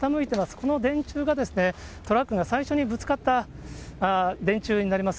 この電柱がトラックが最初にぶつかった電柱になります。